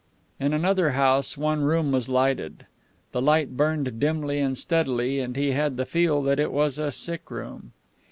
In another house one room was lighted. The light burned dimly and steadily, and he had the feel that it was a sick room.